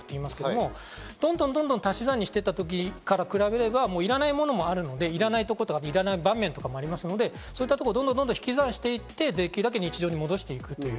私、前にも言いましたけど、引き算の対策と言いますけど、どんどん足し算にしていた時から比べれば、いらないものもあるので、いらない場面とかもありますので、そういったところをどんどん引き算していって、できるだけ日常に戻していく。